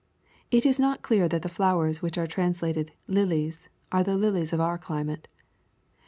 ] It is not clear that the flowers which are transla ted "hlies," are the lilies of our chmate.